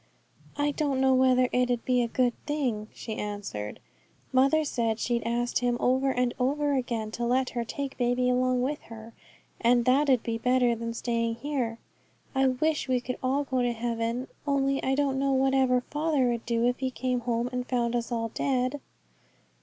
'I don't know whether it 'ud be a good thing,' she answered. 'Mother said she'd ask Him over and over again to let her take baby along with her, and that 'ud be better than staying here. I wish we could all go to heaven; only I don't know whatever father 'ud do if he come home and found us all dead.'